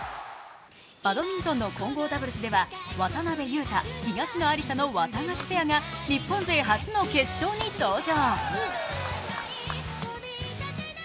バドミントンの混合ダブルスでは、渡辺勇大、東野有紗のワタガシペアが日本勢初の決勝に登場。